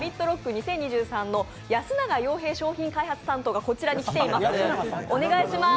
２０２３の安永洋平商品開発担当がこちらに来ていますので、お願いします。